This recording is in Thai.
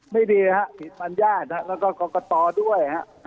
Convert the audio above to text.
ไม่ดีครับผิดบรรญญาณและกรกตรด้วย